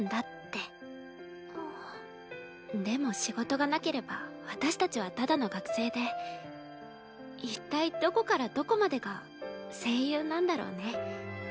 でも仕事がなければ私たちはただの学生で一体どこからどこまでが声優なんだろうね。